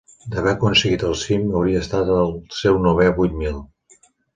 D'haver aconseguit el cim hauria estat el seu novè vuit mil.